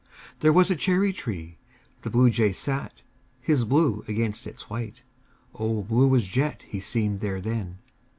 There was a cherry tree. The Bluejay sat His blue against its white O blue as jet He seemed there then!